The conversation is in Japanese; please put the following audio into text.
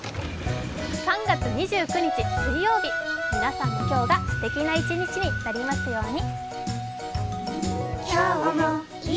３月２９日水曜日、皆さんの今日がすてきな一日になりますように。